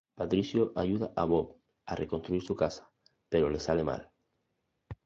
Patricio ayuda a Bob a reconstruir su casa, pero les sale mal.